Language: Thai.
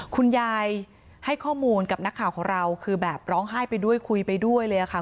คุณยายให้ข้อมูลกับนักข่าวของเราคือแบบร้องไห้ไปด้วยคุยไปด้วยเลยค่ะ